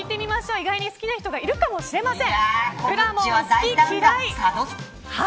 意外に好きな人もいるかもしれません。